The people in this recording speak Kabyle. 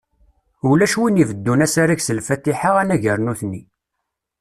Ulac win ibeddun asarag s Lfatiḥa anagar nutni.